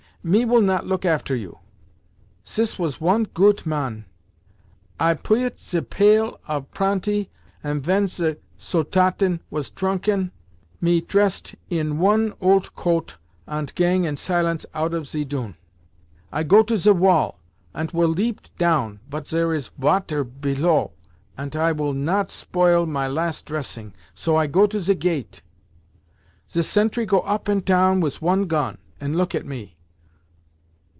Me will not look after you.' Sis was one goot man. I puyet ze pail of pranty, ant ven ze Soldaten was trunken me tresset in one olt coat, ant gang in silence out of ze doon. "I go to ze wall, ant will leap down, pot zere is vater pelow, ant I will not spoil my last tressing, so I go to ze gate. "Ze sentry go up and town wis one gon, ant look at me.